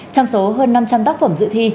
trong số hơn năm trăm linh tác phẩm dự thi